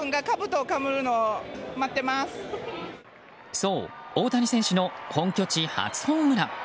そう、大谷選手の本拠地初ホームラン。